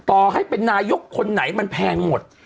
ต่อให้เป็นนายกคนไหนมันแพงหมด